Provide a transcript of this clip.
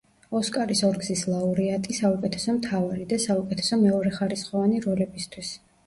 ოსკარის ორგზის ლაურეატი საუკეთესო მთავარი და საუკეთესო მეორეხარისხოვანი როლებისთვის.